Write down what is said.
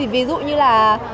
ví dụ như là